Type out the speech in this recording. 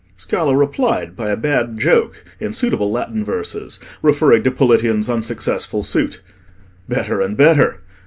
Scala replied by a bad joke, in suitable Latin verses, referring to Politian's unsuccessful suit. Better and better.